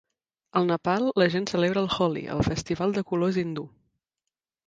Al Nepal, la gent celebra el Holi, el festival de colors hindú.